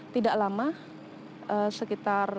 tidak lama sekitar